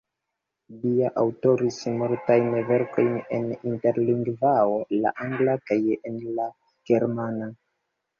Li aŭtoris multajn verkojn en Interlingvao, la angla kaj en la germana.